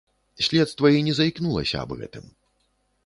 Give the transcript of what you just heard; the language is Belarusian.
Следства і не заікнулася аб гэтым.